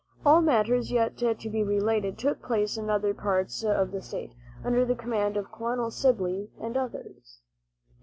All matters yet to be related took place in other parts of the state, under the command of Colonel Sibley and others.